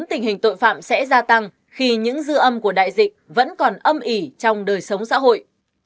tình hình tội phạm sẽ gia tăng khi những dư âm của đại dịch vẫn còn âm ỉ trong đời sống xã hội